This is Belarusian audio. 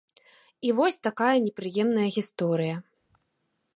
І вось такая непрыемная гісторыя.